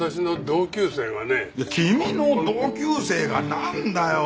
君の同級生がなんだよ！